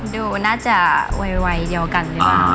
ดูน่าจะไวเดียวกันดีกว่าน้า